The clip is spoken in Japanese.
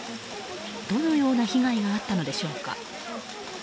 どのような被害があったのでしょうか。